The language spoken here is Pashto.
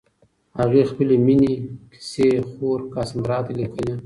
هغې خپلې مینې کیسې خور کاساندرا ته لیکلې.